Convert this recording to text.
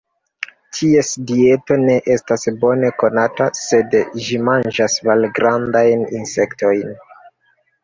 Ties dieto ne estas bone konata, sed ĝi manĝas malgrandajn insektojn.